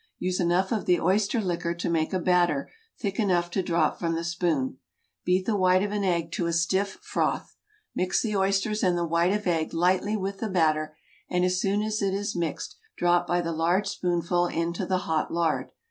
Use enough of the oyster liquor to make a batter thick enough to drop from the spoon. Beat the white of an egg to a stiff froth. Mix the oysters and the white of egg lightly with the batter, and as soon as it is mixed drop by the large spoonful into the hot lard.